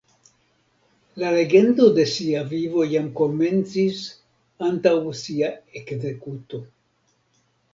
La legendo de sia vivo jam komencis antaŭ sia ekzekuto.